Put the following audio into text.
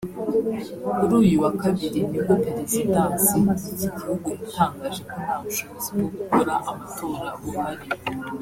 Kuri uyu wa Kabiri nibwo Perezidansi y’iki gihugu yatangaje ko nta bushobozi bwo gukora amatora buhari